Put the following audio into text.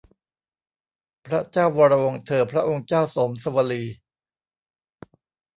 พระเจ้าวรวงศ์เธอ พระองค์เจ้าโสมสวลี